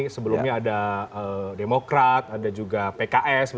sebelumnya ada demokrat ada juga pks